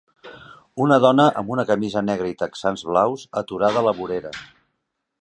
Una dona amb una camisa negra i texans blaus aturada a la vorera.